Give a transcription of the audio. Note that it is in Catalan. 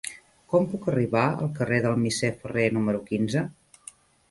Com puc arribar al carrer del Misser Ferrer número quinze?